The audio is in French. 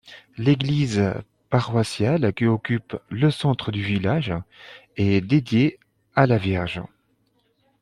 L'église paroissiale, qui occupe le centre du village, est dédiée à la Vierge.